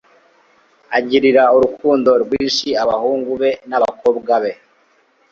agirira urukundo rwinshi abahungu be n'abakobwa be.